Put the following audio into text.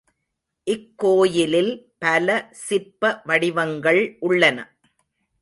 இக்கோயிலில் பல சிற்ப வடிவங்கள் உள்ளன.